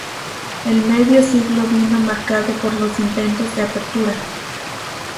El medio siglo vino marcado por los intentos de apertura.